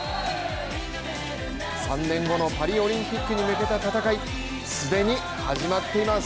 ３年後のパリオリンピックに向けた戦い、既に始まっています。